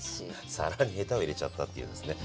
皿にヘタを入れちゃったっていうんすね。